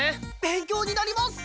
勉強になります！